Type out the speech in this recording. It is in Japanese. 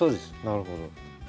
なるほど。